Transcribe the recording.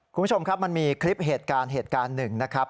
คุณผู้ชมครับมันมีคลิปเหตุการณ์เหตุการณ์หนึ่งนะครับ